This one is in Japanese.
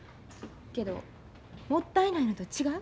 けどもったいないのと違う？